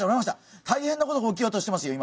大変なことが起きようとしてますよ